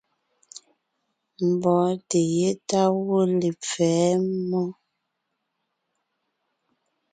Mbɔ́ɔnte yétá gwɔ̂ lepfɛ̌ mmó.